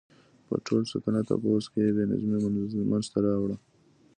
په ټول سلطنت او پوځ کې یې بې نظمي منځته راوړه.